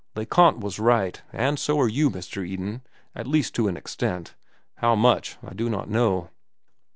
Le Conte was right, and so are you, Mr. Eden, at least to an extent—how much I do not know."